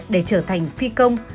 để trở thành phi công